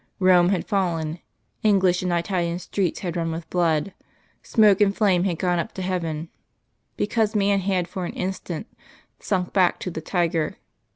Rome had fallen, English and Italian streets had run with blood, smoke and flame had gone up to heaven, because man had for an instant sunk back to the tiger.